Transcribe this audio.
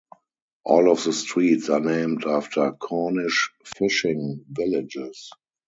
All of the streets are named after Cornish fishing villages.